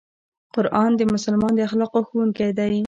قرآن د مسلمان د اخلاقو ښوونکی دی.